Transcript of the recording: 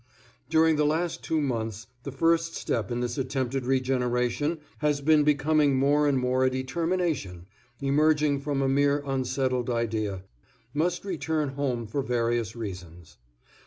During the last two months the first step in this attempted regeneration has been becoming more and more a determination, emerging from a mere unsettled idea must return home for various reasons.